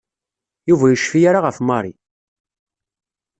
Yuba ur yecfi ara ɣef Mary.